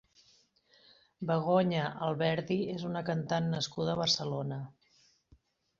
Begoña Alberdi és una cantant nascuda a Barcelona.